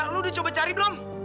lu udah coba cari belum